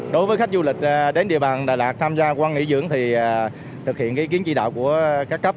đối với khách du lịch đến địa bàn đà lạt tham gia quan nghỉ dưỡng thì thực hiện ý kiến chỉ đạo của các cấp